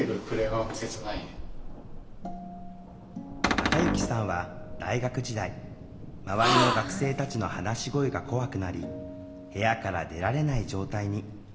たかゆきさんは大学時代周りの学生たちの話し声が怖くなり部屋から出られない状態に。